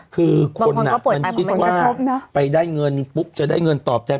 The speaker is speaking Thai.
คือคนมันคิดว่าไปได้เงินปุ๊บจะได้เงินตอบแทน